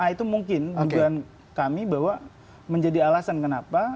itu mungkin kemudian kami bahwa menjadi alasan kenapa